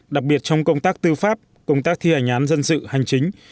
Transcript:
đặc biệt trong công tác tư pháp công tác thi hành án dân sự hành chính